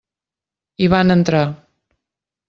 Hi van entrar.